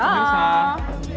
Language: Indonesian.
sampai jumpa lagi